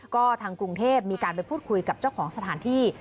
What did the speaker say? ก็ทางกรุงเทพมีการไปพูดคุยกับเจ้าของสถานที่